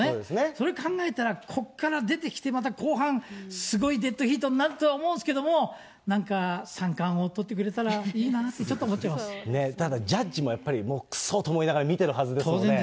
それ考えたら、ここから出てきてまた後半、すごいデッドヒートになるとは思うんですけど、なんか、三冠王とってくれたらいいなってただ、ジャッジもやっぱりくそーっと思いながら見てるはずですからね。